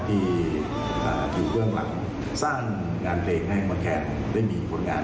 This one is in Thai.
ที่ให้เรื่องหลังสร้างงานเพลงให้โบ๊คแคนได้มีผลงาน